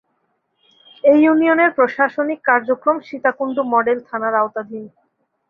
এ ইউনিয়নের প্রশাসনিক কার্যক্রম সীতাকুণ্ড মডেল থানার আওতাধীন।